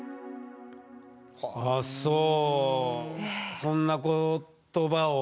ああそうそんな言葉を。